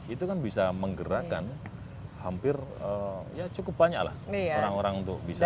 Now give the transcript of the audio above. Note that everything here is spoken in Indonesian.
itu kan bisa menggerakkan hampir ya cukup banyak lah orang orang untuk bisa